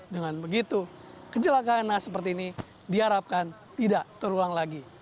dengan begitu kecelakaan seperti ini diharapkan tidak terulang lagi